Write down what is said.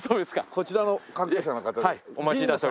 こちらの関係者の方で。